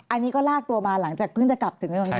อันนี้ก็ลากมาหลังจากว่ากลับที่เงินไทย